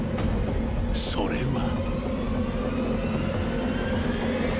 ［それは］